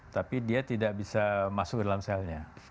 tapi dia tidak bisa masuk ke dalam selnya